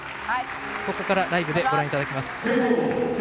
ここからライブでご覧いただきます。